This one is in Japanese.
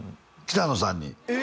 北野さんにええ！